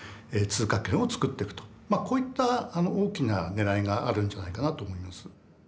まあこういった大きな狙いがあるんじゃないかなと思います。